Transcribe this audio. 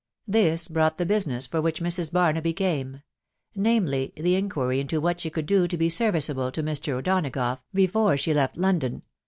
This brought the business for which Mrs. Barnaby came, .... namely, the inquiry into what she could do to be serviceable to Mr. O'Donagough, before she left London